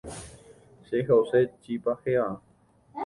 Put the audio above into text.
Che ha’use chipa héva.